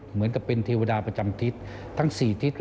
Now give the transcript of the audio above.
เหมือนกับเป็นเทวดาประจำทิศทั้ง๔ทิศ